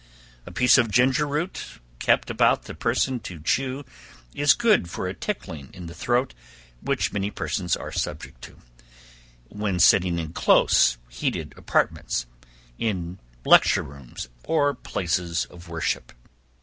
A piece of ginger root, kept about the person to chew, is good for a tickling in the throat, which many persons are subject to, when sitting in close heated apartments, in lecture rooms, or places of worship.